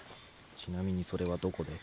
ちなみにそれはどこで？